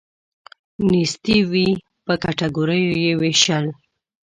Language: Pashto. نیستي وی په کټګوریو یې ویشل.